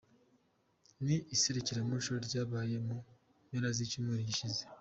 Ni iserukiramuco ryabaye mu mpera z’icyumweru gishize.